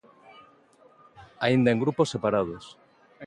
Aínda en grupos separados.